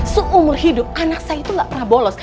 seumur hidup anak saya itu gak pernah bolos